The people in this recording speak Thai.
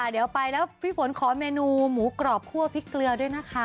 เดี๋ยวไปแล้วพี่ฝนขอเมนูหมูกรอบคั่วพริกเกลือด้วยนะคะ